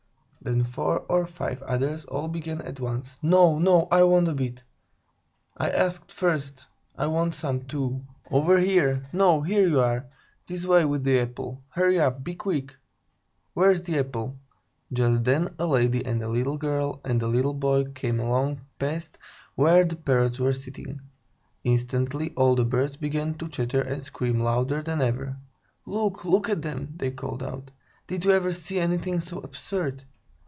Then four or five others all began at once: "No, no, I want a bit! I asked first! I want some, too! Over here! No, here you are! This way with the apple! Hurry up! Be quick! Where's that apple?" Just then a lady and a little girl and a little boy came along past where the Parrots were sitting. Instantly all the birds began to chatter and scream louder than ever. "Look, look at them!" they called out. "Did you ever see anything so absurd?